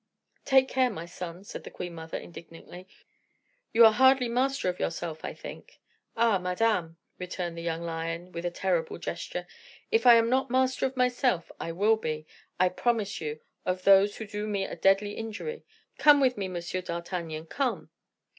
"Take care, my son," said the queen mother, indignantly, "you are hardly master of yourself, I think." "Ah! madame," returned the young lion, with a terrible gesture, "if I am not master of myself, I will be, I promise you, of those who do me a deadly injury; come with me, M. d'Artagnan, come."